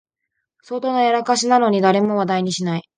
相当なやらかしなのに誰も話題にしない